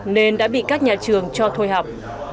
nên đã bị các nhà trường cho thôi học